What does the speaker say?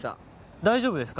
大丈夫ですか？